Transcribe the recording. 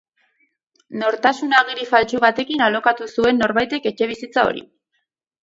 Nortasun agiri faltsu batekin alokatu zuen norbaitek etxebizitza hori.